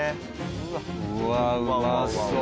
うわうまそう。